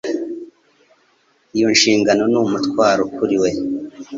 Iyo nshingano ni umutwaro kuri we